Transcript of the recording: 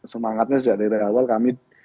semangatnya sejak dari awal kami